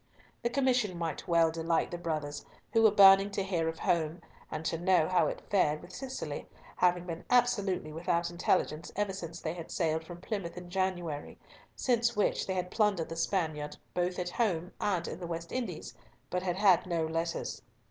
The commission might well delight the brothers, who were burning to hear of home, and to know how it fared with Cicely, having been absolutely without intelligence ever since they had sailed from Plymouth in January, since which they had plundered the Spaniard both at home and in the West Indies, but had had no letters.